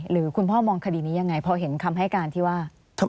หรือคุณพ่อมองคดีนี้ยังไงพอเห็นคำให้การที่ว่า